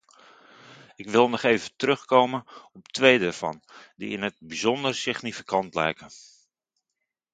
Ik wil nog even terugkomen op twee daarvan, die in het bijzonder significant lijken.